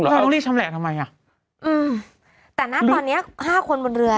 เราต้องรีบชำแหละทำไมอ่ะอืมแต่นะตอนเนี้ยห้าคนบนเรือ